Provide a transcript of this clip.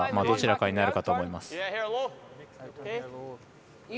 どちらかになると思います。